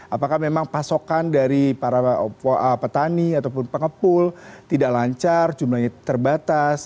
apakah memang pasokan dari para petani ataupun pengepul tidak lancar jumlahnya terbatas